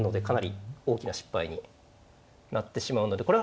かなり大きな失敗になってしまうので。